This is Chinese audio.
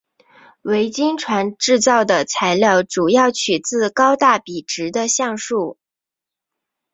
维京船制造的材料主要取自高大笔直的橡树。